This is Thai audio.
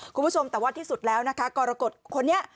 คุณผู้ชมแต่ว่าที่สุดแล้วนะคะกรกฎคนนี้